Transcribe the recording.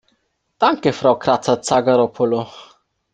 Danke, Frau Kratsa-Tsagaropoulou.